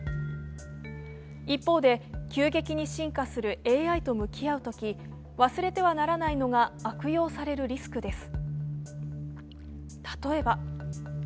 一方で、急激に進化するＡＩと向き合うとき忘れてはならないのが悪用されるリスクです。